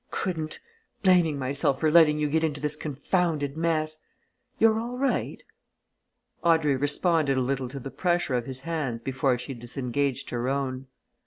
"Couldn't! Blaming myself for letting you get into this confounded mess! You're all right?" Audrey responded a little to the pressure of his hands before she disengaged her own.